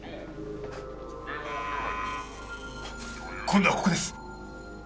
今度はここです！